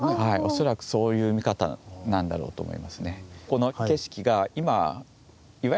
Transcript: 恐らくそういう見方なんだろうと思いますね。